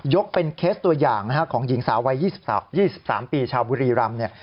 กเป็นเคสตัวอย่างของหญิงสาววัย๒๓ปีชาวบุรีรำเนี่ย